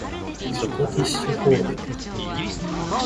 スコティッシュフォールド